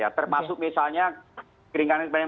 dan juga untuk pemerintah yang diberikan kepadanya